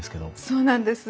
そうなんです。